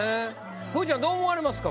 くーちゃんどう思われますか？